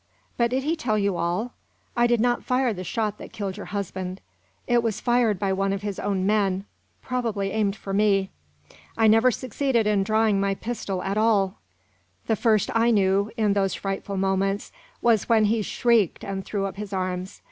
"But did he tell you all? I did not fire the shot that killed your husband; it was fired by one of his own men probably aimed for me. I never succeeded in drawing my pistol at all. The first I knew, in those frightful moments, was when he shrieked and threw up his arms.